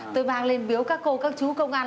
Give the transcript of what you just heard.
tôi vang lên biếu các cô các chú công an